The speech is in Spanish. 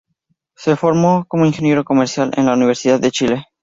Se formó como ingeniero comercial en la Universidad de Chile.